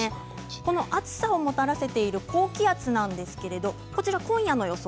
この暑さをもたらしている高気圧なんですけれども今夜の予想